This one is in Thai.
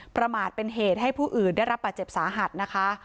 ประมาทเป็นเหตุให้ผู้อื่นได้รับบาดเจ็บสาหัสนะคะ